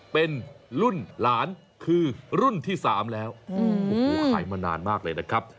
เป็นรุ่นหลานคือรุ่นที่๓แล้วโอ้โหขายมานานมากเลยนะครับ